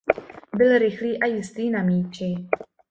Byl rychlý a jistý na míči.